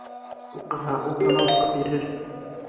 Уҡыһа, ул ғына уҡып бирер.